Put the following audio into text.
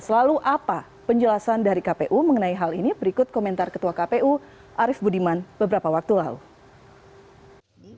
lalu apa penjelasan dari kpu mengenai hal ini berikut komentar ketua kpu arief budiman beberapa waktu lalu